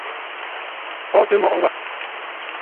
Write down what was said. Kɔʼɔtə mɔʼɔ wâ.